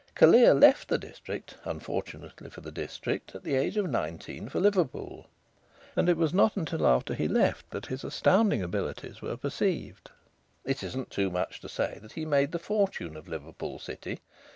Callear left the district, unfortunately for the district, at the age of nineteen for Liverpool. And it was not till after he left that his astounding abilities were perceived. It isn't too much to say that he made the fortune of Liverpool City.